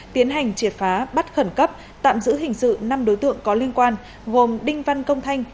tiến hành triệt phá bắt khẩn cấp tạm giữ hình sự năm đối tượng có liên quan gồm đinh văn công thanh